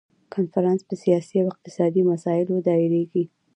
کنفرانس په سیاسي او اقتصادي مسایلو دایریږي.